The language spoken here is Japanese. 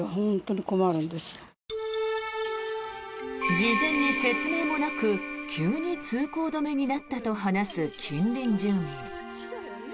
事前に説明もなく急に通行止めになったと話す近隣住民。